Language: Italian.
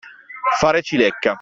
Fare cilecca.